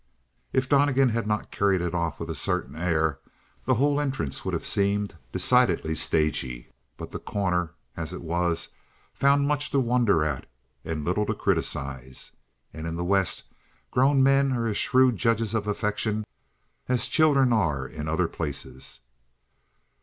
If Donnegan had not carried it off with a certain air, the whole entrance would have seemed decidedly stagey, but The Corner, as it was, found much to wonder at and little to criticize. And in the West grown men are as shrewd judges of affectation as children are in other places.